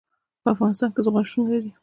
په افغانستان کې زغال شتون لري.